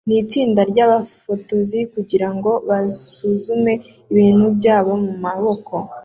nitsinda ryabafotozi kugirango basuzume ibintu byabo mumaboko